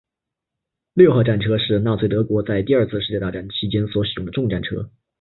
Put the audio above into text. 六号战车是纳粹德国在第二次世界大战期间所使用的重战车。